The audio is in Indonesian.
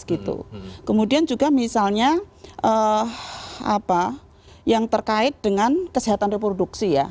kemudian juga misalnya yang terkait dengan kesehatan reproduksi ya